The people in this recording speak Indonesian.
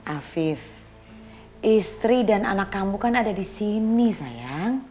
afif istri dan anak kamu kan ada di sini sayang